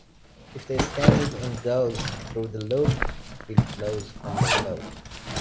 If the standing end goes through the loop, it will close under load.